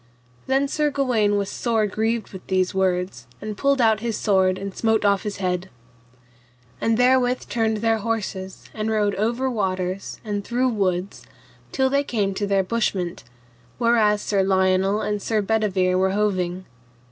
Then Sir Gawaine was sore grieved with these words, and pulled out his sword and smote off his head. And therewith turned their horses and rode over waters and through woods till they came to their bushment, whereas Sir Lionel and Sir Bedivere were hoving.